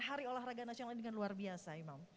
hari olahraga nasional ini dengan luar biasa